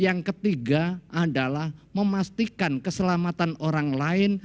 yang ketiga adalah memastikan keselamatan orang lain